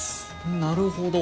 なるほど。